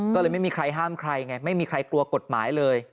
ก็เลยไม่มีใครห้ามใครไงไม่มีใครกลัวกฎหมายเลย